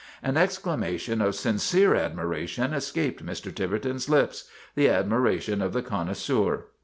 An exclamation of sincere admiration escaped Mr. Tiverton's lips the admiration of the connoisseur.